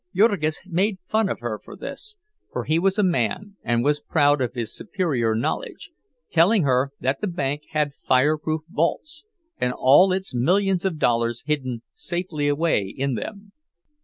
Jurgis made fun of her for this, for he was a man and was proud of his superior knowledge, telling her that the bank had fireproof vaults, and all its millions of dollars hidden safely away in them.